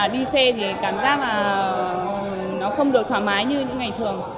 đi xe thì cảm giác là nó không được thoải mái như những ngày thường